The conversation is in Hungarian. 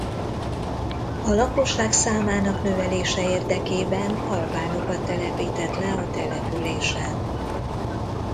A lakosság számának növelése érdekében albánokat telepített le a településen.